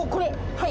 はい。